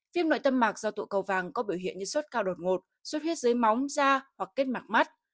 viêm nội tâm mạc do tụ cầu vàng có biểu hiện như sốt cao đột ngột sốt huyết dưới móng da hoặc kết mạc mắt